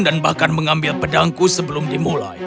dan bahkan mengambil pedangku sebelum dimulai